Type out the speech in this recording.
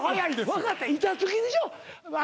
分かった板付きにしよう。